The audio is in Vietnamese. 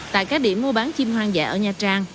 tại các điểm mua bán chim hoang dã ở nha trang